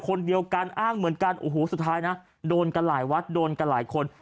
คนเดียวกันอ้างเหมือนกันโอ้โหสุดท้ายนะโดนกันหลายวัดโดนกันหลายคน